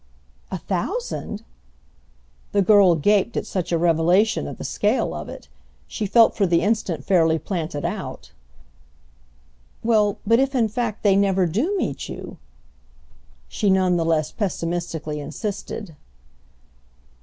"A thousand?"—the girl gaped at such a revelation of the scale of it; she felt for the instant fairly planted out. "Well, but if in fact they never do meet you?" she none the less pessimistically insisted.